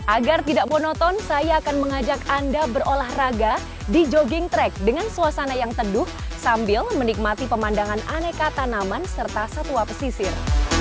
agar tidak monoton saya akan mengajak anda berolahraga di jogging track dengan suasana yang teduh sambil menikmati pemandangan aneka tanaman serta satwa pesisir